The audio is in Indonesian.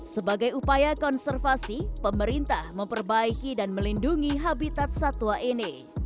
sebagai upaya konservasi pemerintah memperbaiki dan melindungi habitat satwa ini